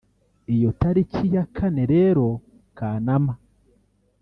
Iyo tariki ya kane rero Kanama